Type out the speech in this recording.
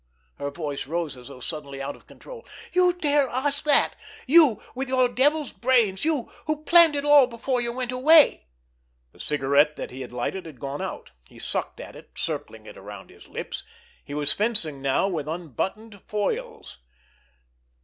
_" Her voice rose, as though suddenly out of control. "You dare ask that! You, with your devil's brains—you, who planned it all before you went away!" The cigarette that he had lighted had gone out. He sucked at it, circling it around his lips. He was fencing now with unbuttoned foils.